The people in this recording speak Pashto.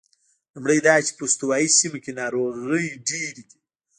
لومړی دا چې په استوایي سیمو کې ناروغۍ ډېرې دي.